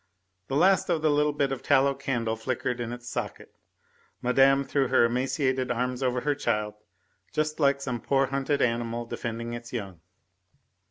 The last of the little bit of tallow candle flickered in its socket. Madame threw her emaciated arms over her child, just like some poor hunted animal defending its young.